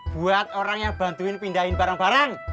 buat orang yang bantuin pindahin barang barang